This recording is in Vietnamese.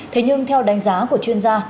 thế nhưng theo đánh giá của chuyên gia